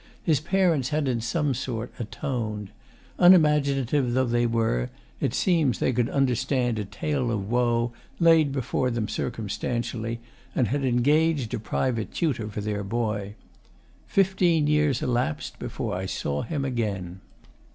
His parents had in some sort atoned. Unimaginative though they were, it seems they could understand a tale of woe laid before them circumstantially, and had engaged a private tutor for their boy. Fifteen years elapsed before I saw him again.